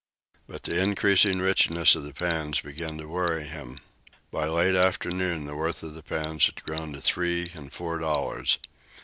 But the increasing richness of the pans began to worry him. By late afternoon the worth of the pans had grown to three and four dollars.